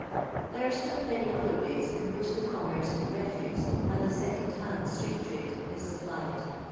There are still many other ways in which the commerce in refuse and the second hand street trade is supplied.